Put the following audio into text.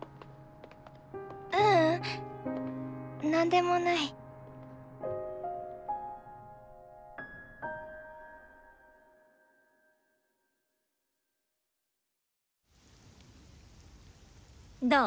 ううんなんでもない。どう？